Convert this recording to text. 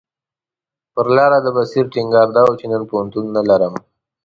پر لاره د بصیر ټینګار دا و چې نن پوهنتون نه لرم.